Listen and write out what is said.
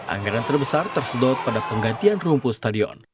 anggaran terbesar tersedot pada penggantian rumpuh stadion